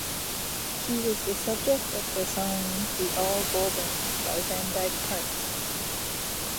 He was the subject of the song "The All Golden" by Van Dyke Parks.